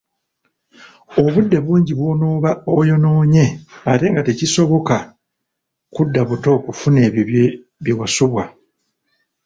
Obudde bungi bwonooba oyonoonye ate nga tekikyabosoka kudda buto kufuna ebyo bye wasubwa.